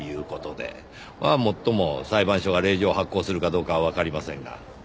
まあもっとも裁判所が令状を発行するかどうかはわかりませんが。